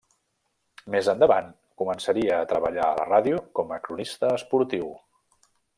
Més endavant començaria a treballar a la ràdio com a cronista esportiu.